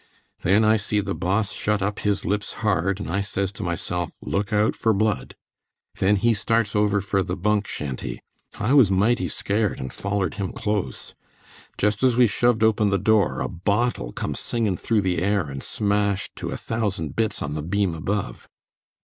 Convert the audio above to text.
Then I see the Boss shut up his lips hard, and I says to myself 'Look out for blood.' Then he starts over for the bunk shanty. I was mighty scared, and follered him close. Just as we shoved open the door a bottle come singin' through the air and smashed to a thousand bits on the beam above.